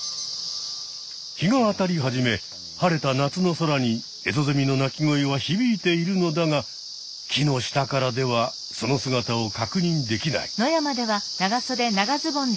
日が当たり始め晴れた夏の空にエゾゼミの鳴き声はひびいているのだが木の下からではその姿をかくにんできない。